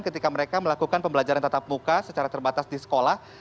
ketika mereka melakukan pembelajaran tatap muka secara terbatas di sekolah